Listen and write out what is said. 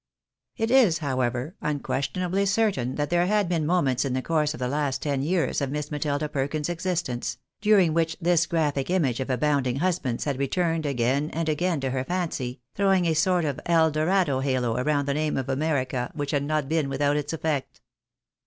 It is, however, unquestionably certain that there had been moments in the course of the last ten years of Miss Matilda Per tins's existence, during which this graphic image of abounding husbands had returned again and again to her fancy, throwing a sort of El Dorado halo around the name of America, which had not been without its effect.